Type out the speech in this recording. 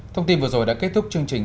thông tin vừa rồi đã kết thúc chương trình